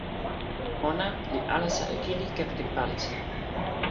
ona li alasa e kili kepeken palisa.